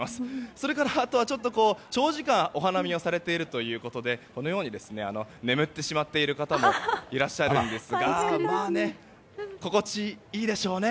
それから、長時間お花見をされているということで眠ってしまっている方もいらっしゃるんですが心地いいでしょうね。